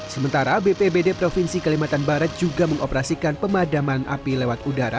sementara bpbd provinsi kalimantan barat juga mengoperasikan pemadaman api lewat udara